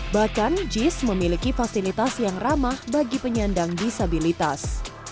bahkan jis memiliki fasilitas yang ramah bagi penyandang disabilitas